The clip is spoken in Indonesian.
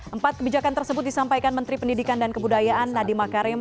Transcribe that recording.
empat kebijakan tersebut disampaikan menteri pendidikan dan kebudayaan nadiem akarim